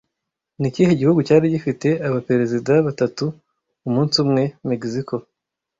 Ni ikihe gihugu cyari gifite abaperezida batatu - umunsi umwe Mexico